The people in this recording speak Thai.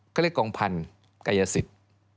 เขาเรียกกองพันธุ์กายสิทธิ์